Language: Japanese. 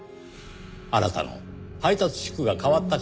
あなたの配達地区が変わったからです。